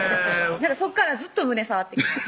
そこからずっと胸触ってきます